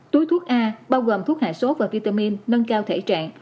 túi thuốc a bao gồm thuốc hạ sốt và vitamin nâng cao thể trạng